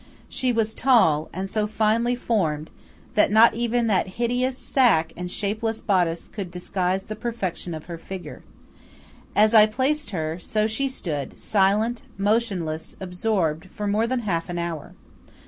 She was tall, and so finely formed that not even that hideous sacque and shapeless bodice could disguise the perfection of her figure. As I placed her, so she stood, silent, motionless, absorbed, for more than half an hour.